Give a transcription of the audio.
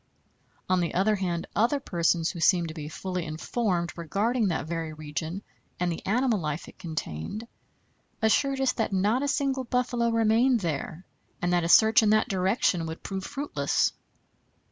On the other hand, other persons who seemed to be fully informed regarding that very region and the animal life it contained, assured us that not a single buffalo remained there, and that a search in that direction would prove fruitless.